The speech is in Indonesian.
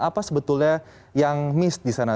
apa sebetulnya yang miss di sana